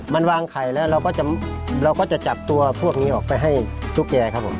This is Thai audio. มันวางไข่แล้วเราก็จะจับตัวพวกนี้ออกไปให้ตุ๊กแกครับผม